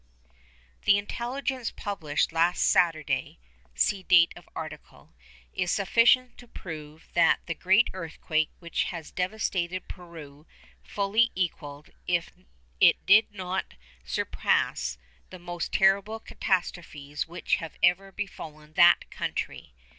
_ The intelligence published last Saturday (see date of article) is sufficient to prove that the great earthquake which has devastated Peru fully equalled, if it did not surpass, the most terrible catastrophes which have ever befallen that country.